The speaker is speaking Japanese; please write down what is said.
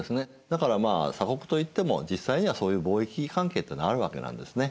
だからまあ鎖国といっても実際にはそういう貿易関係っていうのはあるわけなんですね。